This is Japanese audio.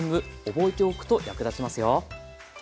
覚えておくと役立ちますよ。